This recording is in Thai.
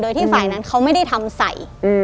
โดยที่ฝ่ายนั้นเขาไม่ได้ทำใส่